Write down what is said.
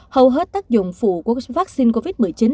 hầu hết tác dụng phụ của vaccine covid một mươi chín